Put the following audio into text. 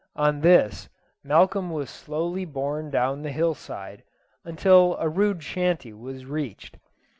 On this Malcolm was slowly borne down the hill side, until a rude shanty was reached.